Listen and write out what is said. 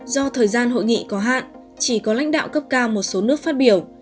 do thời gian hội nghị có hạn chỉ có lãnh đạo cấp cao một số nước phát biểu